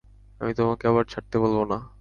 আমি তোমাকে আবার ছাড়তে বলব না।